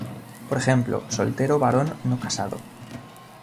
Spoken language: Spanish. Por ejemplo: "Soltero: Varón no casado".